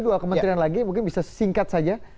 dua kementerian lagi mungkin bisa singkat saja